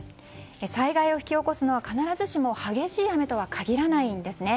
災害を引き起こすのは必ずしも激しい雨と限らないんですね。